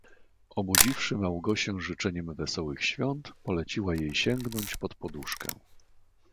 "Obudziwszy Małgosię życzeniem wesołych świąt, poleciła jej sięgnąć pod poduszkę."